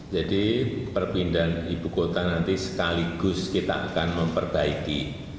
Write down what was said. jadi perpindahan ibu kota nanti sekaligus kita akan memperbaiki